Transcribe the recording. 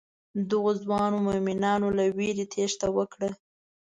دغو ځوانو مومنانو له وېرې تېښته وکړه.